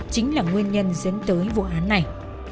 chính là nguyên nhân dẫn tới vụ án này